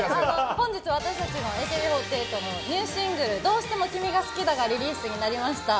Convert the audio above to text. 本日、私たちの６１枚目シングルニューシングル「どうしても君が好きだ」がリリースになりました。